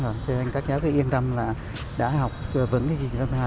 cho nên các cháu cứ yên tâm là đã học vững cái gì đó mà